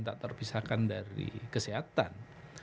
tak terpisahkan dari kesehatan